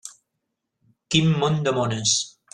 Quin món de mones.